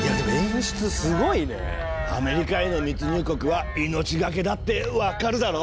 アメリカへの密入国は命懸けだって分かるだろ？